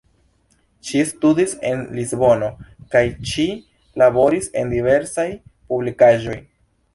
Ŝi studis en Lisbono kaj ŝi laboris en diversaj publikaĵoj.